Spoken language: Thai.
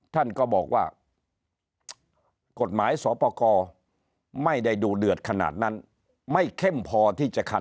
ท่านก็บอกว่ากฎหมายสอปกรไม่ได้ดูเดือดขนาดนั้นไม่เข้มพอที่จะคัน